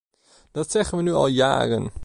Dat zeggen we nu al jaren.